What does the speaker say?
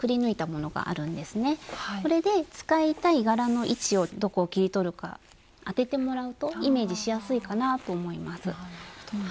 これで使いたい柄の位置をどこを切り取るか当ててもらうとイメージしやすいかなぁと思います。